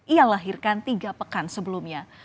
ia lahirkan tiga pekan sebelumnya